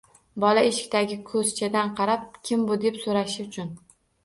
Bola eshikdagi ko‘zchadan qarab, “Kim bu?” deb so‘rashi uchun